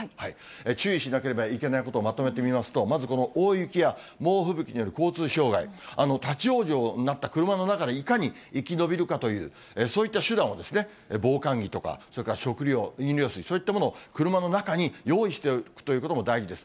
注意しなければいけないことをまとめてみますと、まずこの大雪や猛吹雪による交通障害、立往生になった車の中でいかに生き延びるかという、そういった手段を防寒着とか、それから食料、飲料水、そういったものを車の中に用意しておくということも大事です。